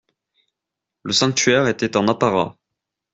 Le sanctuaire était en apparat.